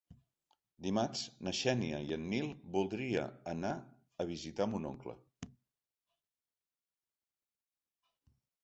Dimarts na Xènia i en Nil voldria anar a visitar mon oncle.